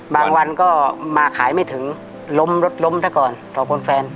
บางวันก็มาขายไม่ถึงล้มรถล้มซะก่อนต่อคนแฟน